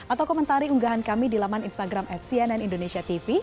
atau komentari unggahan kami di laman instagram at cnn indonesia tv